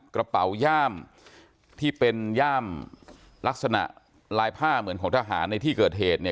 กระเป๋าย่ามที่เป็นย่ามลักษณะลายผ้าเหมือนของทหารในที่เกิดเหตุ